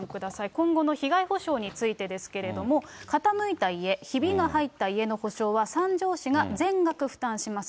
今後の被害補償についてですけれども、傾いた家、ひびが入った家の補償は三条市が全額負担します。